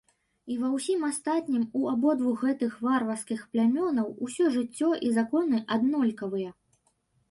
І ва ўсім астатнім у абодвух гэтых варварскіх плямёнаў усё жыццё і законы аднолькавыя.